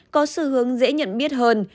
có sự hướng dễ nhận biết hơn